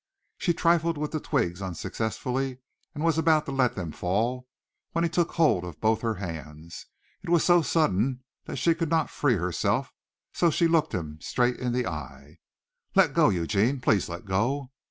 She trifled with the twigs unsuccessfully and was about to let them fall, when he took hold of both her hands. It was so sudden that she could not free herself, and so she looked him straight in the eye. "Let go, Eugene, please let go."